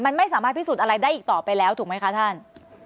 มันไม่สามารถพิสูจน์อะไรได้อีกต่อไปแล้วถูกไหมคะท่าน